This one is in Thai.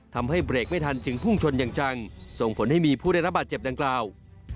ทำให้เบรกไม่ทันจึงพุ่งชนอย่างจังส่งผลให้มีผู้ได้รับบาดเจ็บดังกล่าว